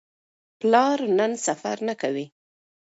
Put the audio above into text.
پلار نن سفر نه کوي.